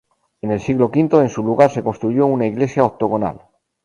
En el siglo V, en su lugar se construyó una iglesia octogonal.